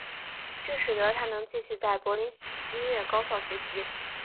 这使得他能继续在柏林音乐高校学习。